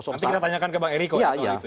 nanti kita tanyakan ke bang ericko soal itu ya